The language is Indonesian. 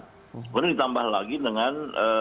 kemudian ditambah lagi dengan